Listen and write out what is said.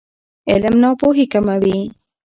علم ناپوهي کموي.